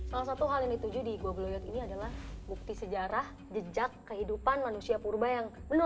salah satu hal yang dituju di gua bloyok ini adalah bukti sejarah jejak kehidupan manusia purba yang menarik